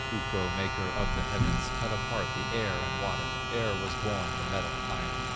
Ukko, maker of the heavens, Cut apart the air and water, Ere was born the metal, iron.